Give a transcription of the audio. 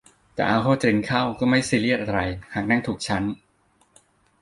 แต่เอาเข้าจริงเข้าก็ไม่ซีเรียสอะไรหากนั่งถูกชั้น